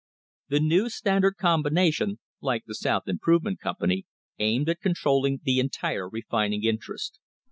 The new Standard Combination^ like the South Improve ment Company, aimed at controlling the entire refining inter est.